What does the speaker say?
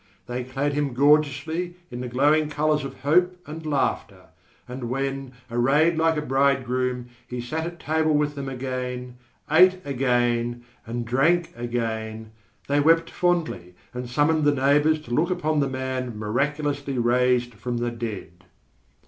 They clad him gorgeously in the glowing colours of hope and laughter, and when, arrayed like a bridegroom, he sat at table with them again, ate again, and drank again, they wept fondly and summoned the neighbours to look upon the man miraculously raised from the dead.